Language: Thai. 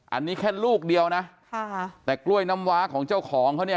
อันนี้แค่ลูกเดียวนะค่ะแต่กล้วยน้ำว้าของเจ้าของเขาเนี่ย